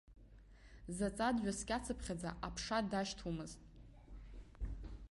Заҵа дҩаскьацыԥхьаӡа, аԥша дашьҭуамызт.